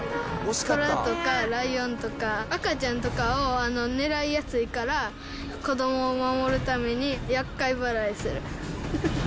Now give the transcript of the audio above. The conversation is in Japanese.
トラとかライオンとか、赤ちゃんとかを狙いやすいから、子どもを守るためにやっかい払いする。